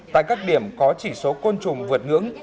tại các điểm có chỉ số côn trùng vượt ngưỡng